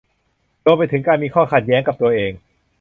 รวมไปถึงการมีข้อขัดแย้งกับตัวเอง